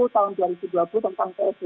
tahun dua ribu dua puluh tentang psbb